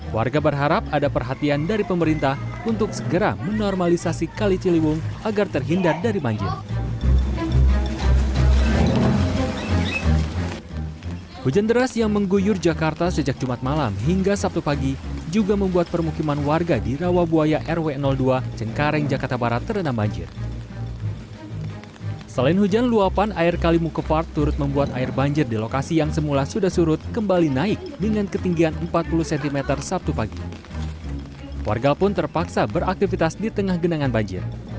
warga pun terpaksa beraktivitas di tengah genangan banjir